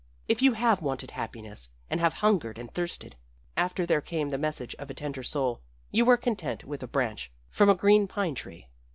"If you have wanted happiness and have hungered and thirsted, after there came the message of a tender soul, you were content with a branch from a green pine tree.